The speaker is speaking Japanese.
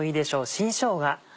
新しょうが。